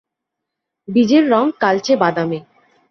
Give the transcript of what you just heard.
বীজের রং কালচে বাদামি।